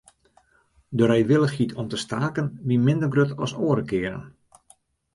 De reewillichheid om te staken wie minder grut as oare kearen.